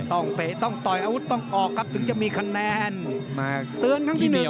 ถ้าต้องเฝ๊ต้องต่อยอาวุธต้องออกครับจึงจะมีคะแนน